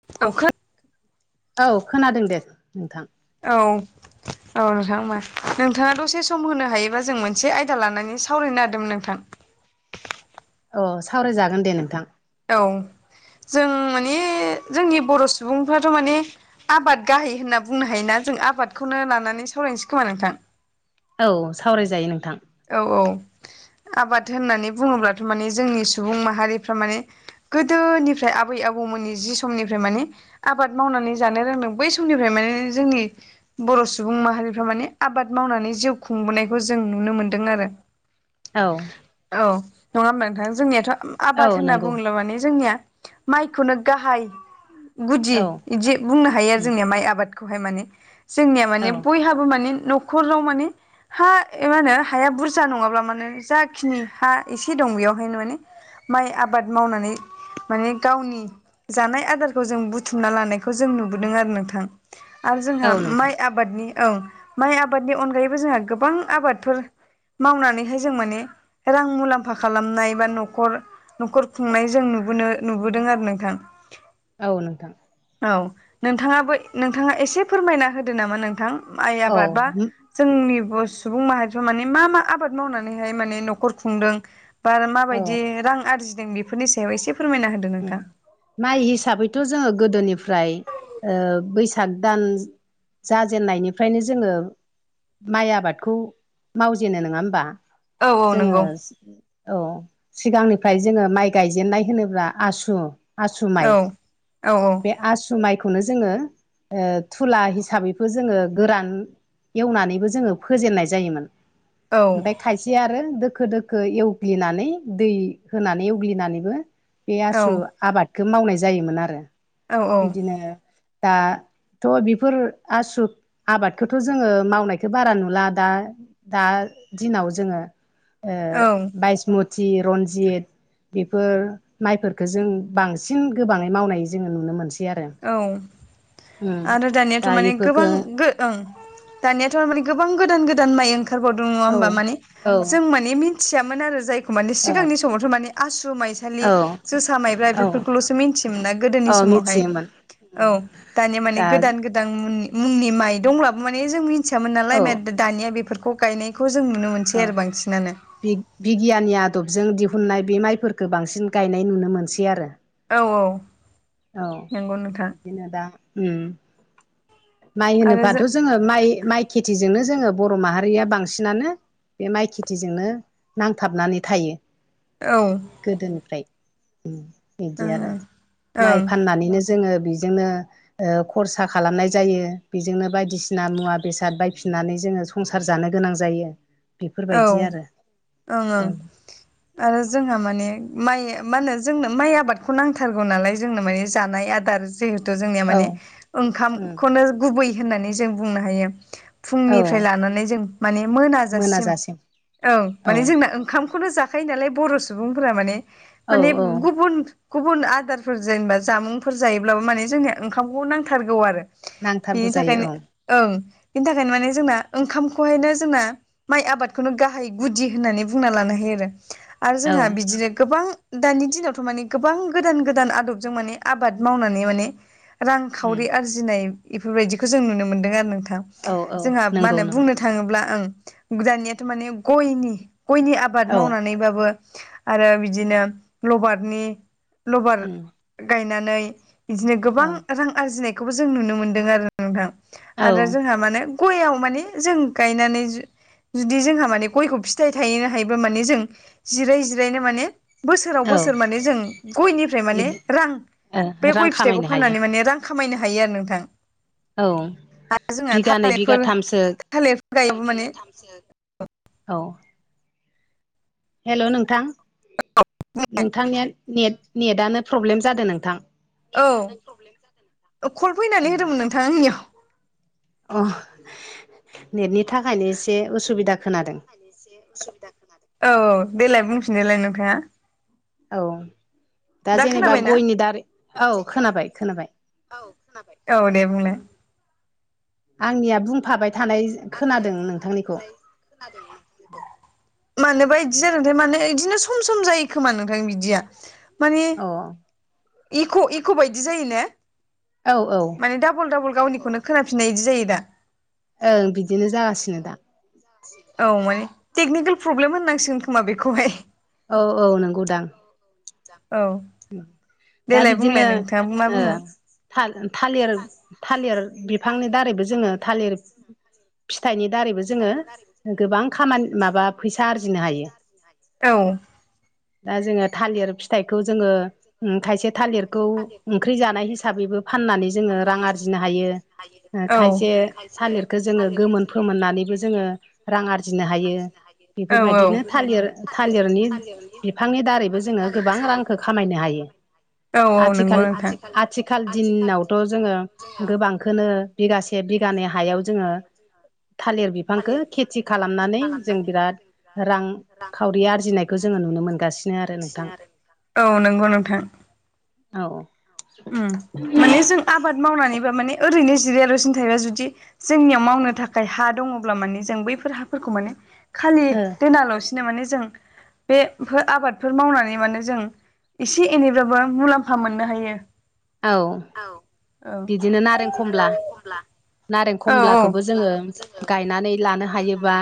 [unintelligible] औ खोनादों दे नोंथां औ औ नोंथां होमा नोंथांङा दसे सम होनो हायोबा जों मोनसे आयदा लानानै सावरायनो नागिरदोंमोन नोंथां अ सावरायजागोन दे नोंथां औ जों माने जोंनि बर' सुबुंफ्राथ' माने आबाद गाहाय होनना बुंनो हायोना जों आबादखौनो लानानै सावरायसै खोमा नोंथां औ सावरायजायो नोंथां औ औ आबाद होननानै बुंङोब्लाथ' माने जोंनि सुबुं माहारिफ्रा माने गोदोनिफ्राय आबै आबौमोननि जि समनिफ्राय माने आबाद मावनानै जानो रोंदों बै समनिफ्राय माने जोंनि बर' सुबुं माहारिफ्रा माने आबाद मावनानै जिउ खुंबोनायखौ जों नुनो मोनदों दों आरो औ औ नङा होमबा नोंथां जोंनियाथ' औ आबाद होनना नंगौ बुङला माने जोंनिया माइखौनो गाहाय गुदि औ बिदि बुंनो हायो आरो जोंनिया माइ आबाद खौहाय माने जोंनिया औ माने बयहाबो माने न'खराव माने हा मा होनो हाया बुरजा नङाब्ला माने जाखिनि हा एसे दं बेयावहायनो माने माइ आबाद मावनानै माने गावनि जानाय आदारखौ जों बुथुमना लानायखौ जों नुबोदों आरो नोंथां आरो औ जोंहा नोंथां माइ आबादनि औ माइ आबादनि अनगायैबो जोंहा गोबां आबादफोर मावनानैहाय जों माने रां मुलाम्फा खालामनाय बा न'खर न'खर खुंनाय जों नुबोनो नुबोदों आरो नोंथां औ नोंथां औ नोंथांङाबो नोंथांङा एसे फोरमायना होदो नामा नोंथां माइ औ आबाद बा जोंनिब' सुबुं माहारिफ्रा माने मा मा आबाद बाद मावनानैहाय माने न'खर खुंदों बा औ माबायदि रां आरजिदों बेफोरनि सायाव एसे फोरमायना होदो उ नोंथां माइ हिसाबैथ' जोङो गोदोनिफ्राय ओं बैसाग दान जाजेनायनिफ्रायनो जोङो माइ आबादखौ मावजेनो नङा होमबा? औ औ जोङो नंगौ औ सिगांनिफ्राय जोङो माइ गायजेननाय होनोब्ला आसु आसु माइ औ औ बे आसु माइखौनो जोङो ओ थुला हिसाबैबो जोङो गोरान एवनानैबो जोङो फोजेननाय जायोमोन औ ओमफाय खायसे आरो दोखो दोखो एवग्लिनानै दै होनानै एवग्लिनानैबो बे आसु आबादखौ मावनाय जायोमोन आरो औ बिदिनो दाथ' बेफोर आसु आबादखौथ' जोङो मावनायखौ बारा नुला दा दा दिनाव जोङो ओ बायिसमथि, रन्जित बेफोर माइफोरखो जों बांसिन गोबाङै मावनाय जोङो नुनो मोनसै आरो औ उम आरो दानियाथ' दा माने इफोरखो गोबां गो ओं दानियाथ'माने गोबां गोदान गोदान माइ ओंखारबावदों नङा औ होमबा माने औ ओ जों माने मि थियामोन आरो जायखौ मानि सिगांनि समावथ' माने आसु माइसालि औ जोसा, माइब्रा औ बेफोरखौल'सो मिथियोमोन ना गोदोनि औ समावहाय मिथियोमोन औ दानिया माने दा गोदान गोदान गोदां मनि मुंनि माइ दंब्लाबो माने जों मोनथियामोन नालाय औ माइ दानिया बेफोरखौ गायनायखौ जों नुनो मोनसै औ आरो बांसिनानो बिगियाननि आदबजों दिहुननाय बे माइफोरफोरखो बांसिन गायनाय नुनो मोनसै आरो औ-औ औ बिदिनो दा माइ आरो होनोबथ' जों जोङो माइ माइ खेथिजोंनो जोङो बर' माहारिया बांसिनानो बे माइ खेथिजोंनो नांथाबनानै थायो औ गोदोनिफ्राय ओं बिदि आरो माइ ओं फाननानैनो जोङो बेजोंनो खरसा खालामनाय जायो बेजोंनो बायदिसिना मुवा बेसाद बायफिननानै जोङो संसार जानो गोनां जायो औ बेफोरबायदि ओं आरो ओं औ आरो जोंहा माने माइ मा होनो जोंनो माइ आबादखौ नांथारगौ नालाय जोंनो माने जानाय आदार जिहेथु जोंनिया माने औ ओंखामखौनो गुबै होननानै जों बुंनो हायो औ फुंनिफ्राय लानानै जों माने मोनाजासिम औ मान जोंना ओंखामखौनो जा थाखायो नालाय बर' सुबुंफोरा माने औ माने औ गुबुन गुबुन आदारफोर जेनेबा जामुंफोर जायोब्लाबो माने जोंनिया ओंखामखौ नांथारगौ आरो नांथारगौ बिनि जायो थाखायनो औ ओं बेनि थाखायनो माने जोंना ओंखामखौहायनो जोंना माइ आबाद बेखौनो गाहाय गुदि होननानै बुंना लानो हायो आरो आरो औ जोंहा बिदिनो गोबां दानि दिनावथ' माने गोबां गोदान गोदान आदबजों माने आबाद मावनानै माने रांखावरि आरजिनाय बेफोरबायदिखौ जों नुनो मोन्दों आरो नोंथां औ औ जोंहा मा नंगौ होनो नंगौ बुंनो था थाङोब्ला ओं दानियाथ' माने गयनि गयनि आबाद औ मावनानैबाबो आरो बिदिनो लबारनि लबार गायनानै बिदिनो गोबां रां आरजिनायखौबो जों नुनो मोनदों आरो नोंथां औ आरो जोंहा माने गयाव माने जों गायनानै जुदि जोंहा माने गयखौ फिथाइ थायहोनो हायोब्ला माने जों जिराय जिरायनो माने बोसोराव औ बोसोर माने जों गयनिफ्राय माने रां बे रां गय फिथाइखौ खामायनो हायो फाननानै माने रां खामनो हायो नोंथां औ आरो जोंना [unintelligible] बिगानै थालिरफोर बिगाथामसो गायोबा माने औ हेल' नोंथां नोंथांनिया नेट नेटनो प्रब्लेम जादों नोंथां औ कल फैनानै होदोंमोन नोंथां आंनियाव अ नेटनि थाखायनो एसे उसुबिदा खोनादों एसे असुबिदा खोनादों औ देलाय बुंफिनदोलाय नोंथाङा औ दा जेनेबा गयनि दारि औ खोनाबाय खोनाबाय औ खोनाबाय औ दे बुंलाय आंनिया बुंफाबाय थानाय आंनिया खोनादों बुंफाबाय नोंथांनिखौ थानाय खोनादोंमोन बिखौ मानोबा बिदि जादों नोंथाय माने बिदिनो सम सम जायो खोमा नोंथां बिदिया माने अ इक' इक' बायदि जायो ने औ-औ माने दाबल दाबल गावनिखौनो खोनाफिननाय बिदि जायो दा ओं बिदिनो जागासिनो दा औ माने टेकनिकेल प्रब्लेम होननांसिगोन खोमा बेखौहाय औ-औ नंगौदां औ दा देलाय बिदिनो बुंलाय नोंथाङा मा ओ बुङो थालिर थालिर बिफांनि दारैबो जोङो थालिर फिथाइनि दारैबो जोङो गोबां खामानि माबा फैसा आरजिनो हायो। औ दा जोङो थालिर फिथाइखौ जोङो। खायसे थालिरखौ ओंख्रि जानाय हिसाबैबो फाननानै जोङो रां आरजिनो हायो। औ खायसे थालिरखौ जोङो गोमोन फोमोननानैबो जोङो रां आरजिनो हायो। हायो बेफोरबायदिनो थालिर थालिरनि बिफांनि दारैबो जोङो गोबां रांखौ खालाम खामायनो हायो। औ औ नंगौ आथिखाल नोंथां आथिखाल दिनावथ' जोङो गोबांखौ बिगासे बिगानि हायाव जोङो थालिर बिफांखौ खेथि खालामनानै जों बिराद रां खावरि आरजिनाय बेखौ जोङो नुनो मोनगासिनो आरो नोंथां औ नंगौ नोंथां औ। माने जों आबाद मावनानैबा माने ओरैनो जिरियल'सिन थायोबा जुदि जोंनियाव मावनो थाखाय हा दङब्ला मानिे जों बैफोर हाफोरखौ माने खालि दोनाल' फिनो माने जों बेफोर आबादफोर मावनानै माने जों एसे एनैब्लााबबो मुलाम्फा मोननो हायो। औ औ बिदिनो नारें खमला नारें औ खमलाखौबो जोङो गायनानै लानो हायोबा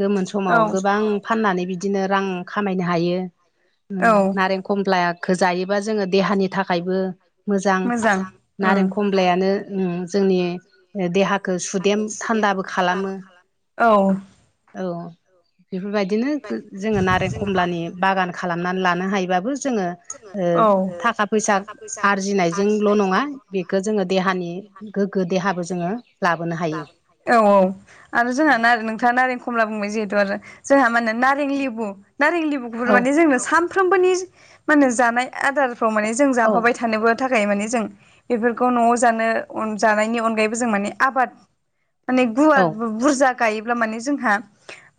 गोमोन समाव गोबां फाननानै बिदिनो रां खामायनो हायो हायो। औ नारें खमला जायोबा जोङो देहानि थाखायबो मोजां नारें उम खमलायानो जोंनि देहाखौ सुदेम थान्दाबो खालामो। औ औ बेफोरबायदिनो जोङो नारें खमलानि बागान खालामनानै। लानो हायोबाबो जोङो औ थाखा फैसा आरजिनायजोंल' नङा बेखौ जोङो देहानि गोग्गो देहाबो जोङो लाबोनो हायो। औ औ। आरो जोंहा नारें नोंथाङा नारें खमला बुंबाय जिहेथु आरो जोंहा माो नारें लेबु नारें लिबु गुर औ माने जोंनो सानफ्रोमबोनि मान होने जानाय आदार ावाने जों औ जाफाबाय थानोबो। थाखाय माने जों बेफोरखौ न'आव जानो जानायनि अनगायैबो जों माने आबाद। माने औ गुवार बुरजा गायोब्ला माने जोंहा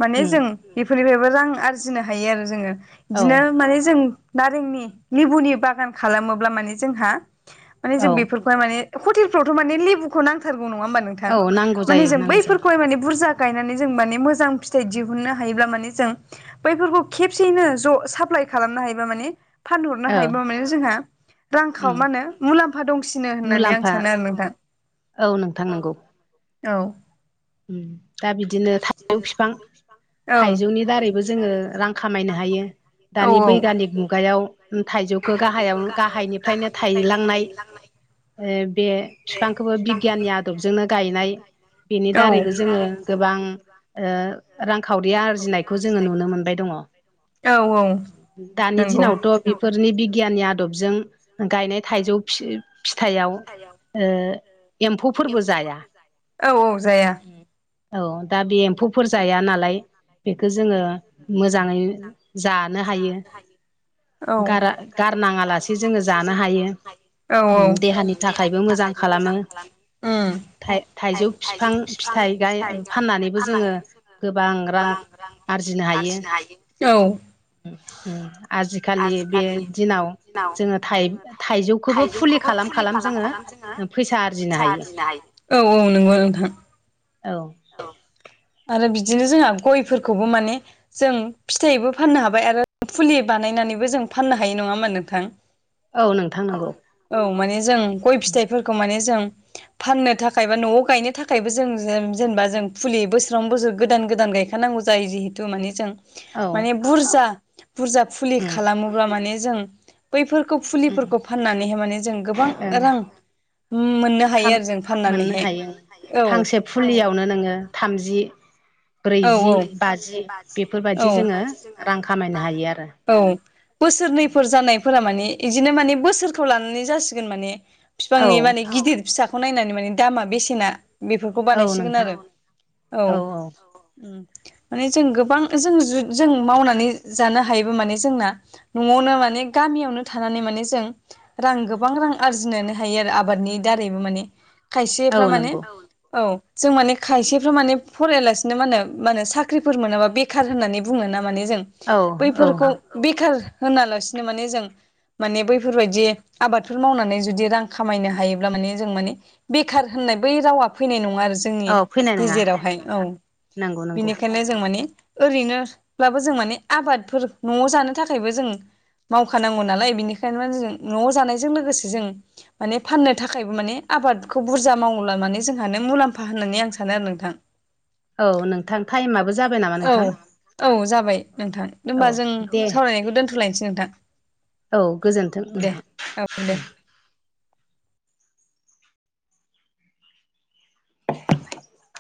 माने उम जों बेफोरनिफ्रायबो रां आरजिनो हायो आरो जोङो औ बिदिनो माने जों नारेंनि लेबुनि बागान खालामोब्ला माने जोंहा माने औ जों बेफोरखौ हावथ लेबुखौ नांथार न नोंथ औ नांगौ जायो मों नांगौ बै जायो बुरा गायनानै जों माने मोजां फिथाइ दिहुननो हायोब्ला माने जों बैफोरखौ खेबसेयैनो ज' साप्लााय खालामनो हायोबा माने फानहरनो औ हायोबा माने जोंहा उम रांखाव मा होनो मुलाम्फा दंसिनो होननानै आं मुलाम्फा सानो आरो नोंथां। औ नोंथां नंगौ। औ। उम दा बिदिनो थाइजौ बिफां औ थाइजौनि दारैबो जोङो रां खामायनो हायो। दानि बैगयानिक मुगायाव थाइजौखौ गाहायाव गाहायनिफ्रायनो थायलांनाय। बे बिफांखौबो बिगियाननि आदबजोंनो गायनाय बेनि दारैबो जोङो गोबां। रांखावरि आरजिनायखौ जोङो नुनो मोनबाय दङ। औ दानि नंगौ दिनावथ' बेफोरनि बिगियाननि आदबजों गायनाय थाइजौ फिथाइयाव। एम्फौफोरबो जाया औ औ जाया औ दा बे एम्फौफोर जाया नालाय बेखौ जोङो मोजाङै जानो हायो। औ गारा- गारनाङा लासे जोङो जानो हायो औ देहानि थाखायबो मोजां खालामो उम थाइजौ फिफां। फिथाइ गाय फाननानैबो जोङो गोबां रां आरजिनो हायो। औ। आजिखालि बे दिनाव दिनाव जोङो थाइजौखौबो फुलि खालाम खालाम जोङो फैसा आरजिनो फैसा हायो आरदिनो हायो। औ औ नंगौ नोंथां। औ। आरो बिदिनो जोंहा गयफोरखौबो माने जों फिथाइबो फाननो हाबाय आरो फुलि बानायनानैबो जों फाननो हाय नङामोन नोंथां। औ नोंथां नांगौ। औ माने जों गय फिथाइफोरखौ माने जों फाननो थाखाय बा न'आव गायनो थाखायबो जों जेनेबा जों फुलि बोसोरावनो बोसोर गोदान गोदान गायखानांगौ जायो जिहेतु माने जों औ माने बुरजा बुरजा फुलि उम खालामोब्ला माने जों बैफोरखौ उम फुलिफोरखौ फाननानैहाय माने जों गोबां ओं रां मोननो हों खाम मोननो फाननानै हायो औ। फांसे फुलियावनो नोङो थामजि ब्रैजि बाजि बेफोरबायदि जोङो रां खामायनो हायो आरो औ बोसोरनैफोर जानायफोरा माने बिदिनो माने बोसोरखौ लानानै जासिगोन माने औ बिफांनि माने गिदिर फिसाखौ नायनानै माने दामा बेसेना बेफोरखौ औ बानायसिगोन नोंथां आरो औ। औ औ माने जों गोबां जों जों मावनानै जानो हायोबो माने जोंना न'आवनो माने गामियावनो थानानै माने जों रां गोबां रां आरजिनो हायो आरो आबादनि दारैबो माने औ खायसेफ्रा माने नंगौ औ जों माने खायसेफ्रा माने फरायालासिनो मा होनो मा होनो साख्रिफोर मोनाबा बेखार होननानै बुङो ना माने जों औ औ बैफोरखौ बेखार होनालासिनो माने जों माने बैफोरबायदि आबादफोर मावनानै जुदि रां खामायनो हायोब्ला माने जों माने बेखार होननाय बै रावा फैनाय नङा आरो जोंनि औ फैनाय नङा गेजेरावहाय औ नंगौ नंगौ बिनिखायनो जों माने ओरैनोब्लाबो जों माने आबादफोर न'आव जानो थाखायबो जों मावखानांगौ नालाय बेनिखायनो मा जों न'आव जानायजों लोगोसे जों माने फाननो थाखायबो माने आबादखौ बुरजा मावोब्ला माने जोंहानो मुलाम्फा होननानै आं सानो आरो नोंथां। औ नोंथां टाइमआबो जाबाय नामा औ नोंथां। औ जाबाय नोंथां औ होनबा जों दे सावरायनायखौ दोन्थ'लायनोसै नोंथां। औ गोजोन्थों दे नोंथां। औ दे [inaudible]